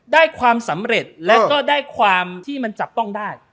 ได้ความสำเร็จและก็ได้ความที่มันจับต้องได้